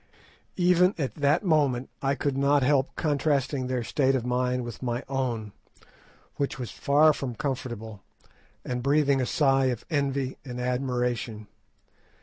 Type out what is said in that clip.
Even at that moment I could not help contrasting their state of mind with my own, which was far from comfortable, and breathing a sigh of envy and admiration.